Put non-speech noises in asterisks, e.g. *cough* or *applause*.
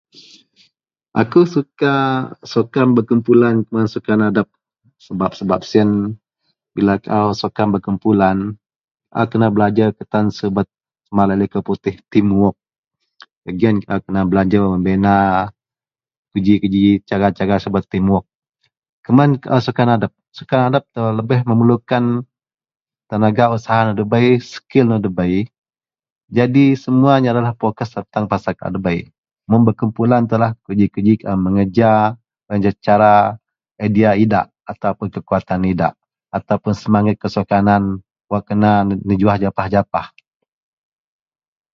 . Akou suka sukan berkumpulan kuman sukan adep sebab-sebab siyen bila kaau sukan berkumpulan, kaau kena belajer ketan subet sama alei likou putih, tim wok. Gak giyen kaau kena belajer membina keji-keji cara-cara subet tim wok. Keman kaau sukan adep, sukan adep telou lebih memelukan tenaga usaha nou debei, skil nou debei. Jadi semuanya adalah.. *unintelligible* fokus pasel kaau debei. Mun berkumpulan keji-keji mengereja, cara idea idak atau kekuwatan idak ataupun semenget kesukanan wak kena nejuwah japah-japah.